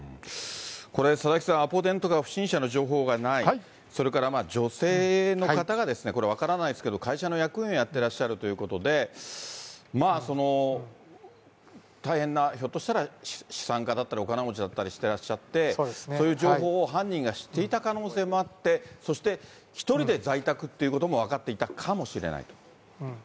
これ、佐々木さん、アポ電とか不審者の情報がない、それから、女性の方がこれ、分からないですけど、会社の役員をやってらっしゃるということで、まあその、大変な、ひょっとしたら資産家だったり、お金持ちだったりしてらっしゃって、そういう情報を犯人が知っていた可能性もあって、そして１人で在宅ということも分かっていたかもしれないと。